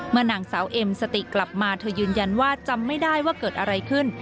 นางสาวเอ็มสติกลับมาเธอยืนยันว่าจำไม่ได้ว่าเกิดอะไรขึ้น